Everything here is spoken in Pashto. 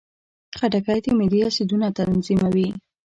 خټکی د معدې اسیدونه تنظیموي.